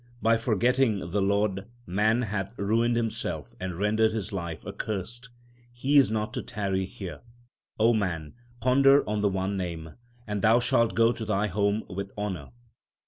By forgetting the Lord man hath ruined himself and ren dered his life accursed ; he is not to tarry here. O man, ponder on the one Name, And thou shalt go to thy home with honour.